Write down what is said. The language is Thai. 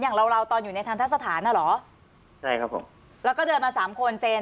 อย่างเราเราตอนอยู่ในทันทะสถานน่ะเหรอใช่ครับผมแล้วก็เดินมาสามคนเซ็น